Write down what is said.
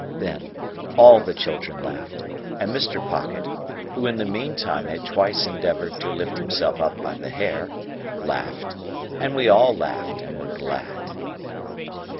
Then, all the children laughed, and Mr. Pocket (who in the meantime had twice endeavoured to lift himself up by the hair) laughed, and we all laughed and were glad.